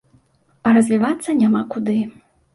А развівацца няма куды.